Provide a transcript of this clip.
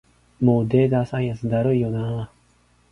もうデータサイエンスだるいよな